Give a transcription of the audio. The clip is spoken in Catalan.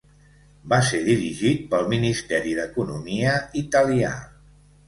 Va ser dirigit pel Ministeri d'Economia italià.